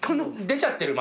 出ちゃってる？